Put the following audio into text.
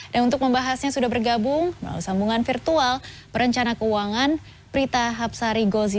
dan untuk membahasnya sudah bergabung melalui sambungan virtual perencana keuangan prita hapsari gozi